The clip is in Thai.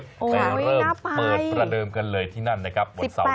โอ้โฮน่าไปใครจะเริ่มเปิดประเดิมกันเลยที่นั่นนะครับวันเสาร์นี้